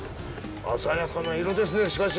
鮮やかな色ですねしかし。